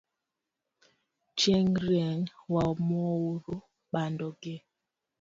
Chieng rieny wamouru bando gi